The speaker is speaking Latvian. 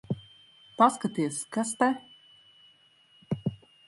Paskaties, kas te...